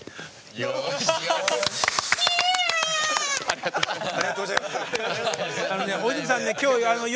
ありがとうございます。